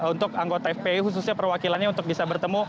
untuk anggota fpi khususnya perwakilannya untuk bisa bertemu